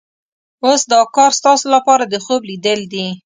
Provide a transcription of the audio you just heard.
اوس دا کار ستاسو لپاره د خوب لیدل دي.